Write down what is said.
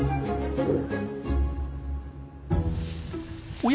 おや？